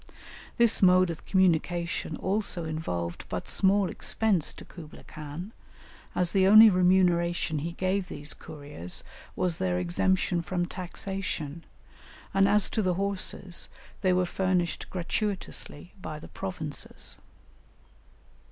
This mode of communication also involved but small expense to Kublaï Khan, as the only remuneration he gave these couriers was their exemption from taxation, and as to the horses, they were furnished gratuitously by the provinces.